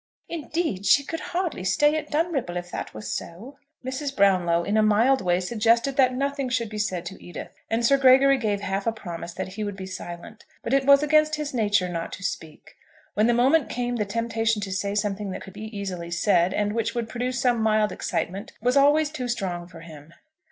Indeed, she could hardly stay at Dunripple if that were so." Mrs. Brownlow in a mild way suggested that nothing should be said to Edith, and Sir Gregory gave half a promise that he would be silent. But it was against his nature not to speak. When the moment came the temptation to say something that could be easily said, and which would produce some mild excitement, was always too strong for him.